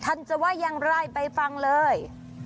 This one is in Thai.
ท่านจะว่ายังไหล่ไปฟังเลย